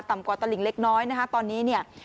กว่าตลิงเล็กน้อยนะคะตอนนี้เนี่ย